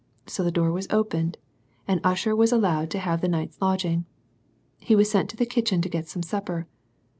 So the door was opened, and Usher was allowed to have the night's lodging. He was sent to the kitchen to get some supper.